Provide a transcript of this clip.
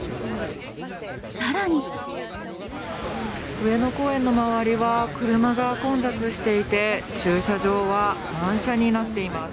上野公園の周りは、車が混雑していて、駐車場は満車になっています。